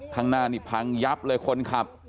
ข้างหน้านี่พังยับเลยคนขับ